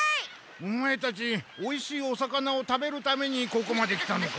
オマエたちおいしいお魚を食べるためにここまで来たのか？